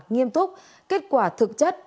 nghiêm túc kết quả thực chất